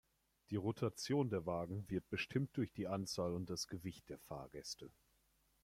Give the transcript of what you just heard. Die Rotation der Wagen wird bestimmt durch die Anzahl und das Gewicht der Fahrgäste.